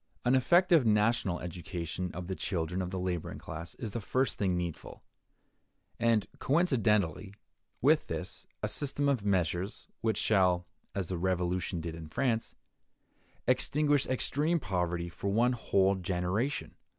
An effective national education of the children of the laboring class is the first thing needful; and, coincidently with this, a system of measures which shall (as the Revolution did in France) extinguish extreme poverty for one whole generation.